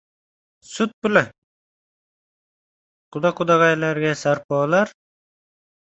— «Sut puli», quda-qudag‘aylarga sarpolar?..